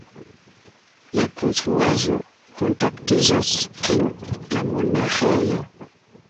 La konstruaĵo kontaktiĝas kun la monaĥejo.